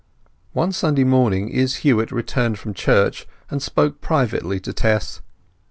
One Sunday morning Izz Huett returned from church, and spoke privately to Tess.